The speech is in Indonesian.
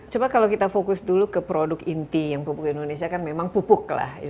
coba kalau kita fokus dulu ke produk inti yang pupuk indonesia kan memang pupuk lah